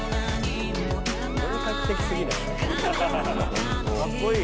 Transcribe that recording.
本格的すぎない？